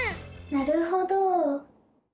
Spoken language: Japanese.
なるほど！